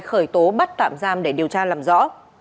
khởi tố bắt tạm giam để điều tra làm rõ